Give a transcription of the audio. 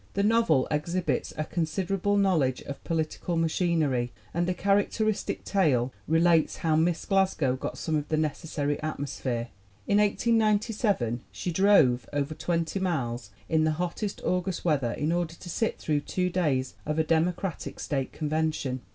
The novel exhibits a considerable knowledge of political machinery and a characteristic tale relates how Miss Glasgow got some of the necessary "atmosphere." In 1897 she drove over twenty miles in the hottest August weather in order to sit through two days of a Demo cratic State convention.